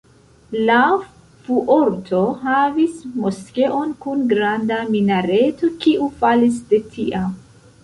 La Fuorto havis moskeon kun granda minareto kiu falis de tiam.